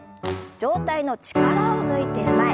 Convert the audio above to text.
上体の力を抜いて前。